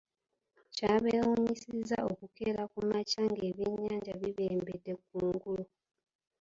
Kyabeewuunyisizza okukeera ku makya ng’ebyennyanja bibembedde ku ngulu.